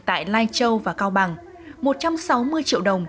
tại lai châu và cao bằng